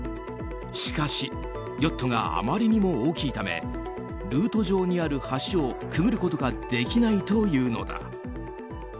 しかし、ヨットが余りにも大きいためルート上にある橋をくぐることができないというのだ。